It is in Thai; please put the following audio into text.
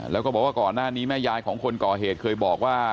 แล้วก็บอกว่าก่อนหน้านี้แม่ยายของคนก่อเหตุเคยบอกว่า